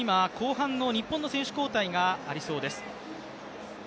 今、後半の日本の選手交代がありそうです。